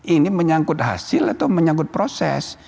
ini menyangkut hasil atau menyangkut proses